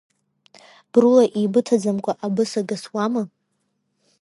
Брула еибыҭаӡамкәа, абасыга суама?